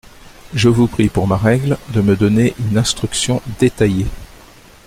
Je vous prie, pour ma règle, de me donner une instruction détaillée.